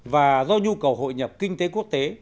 và do nhu cầu hội nhập kinh tế quốc tế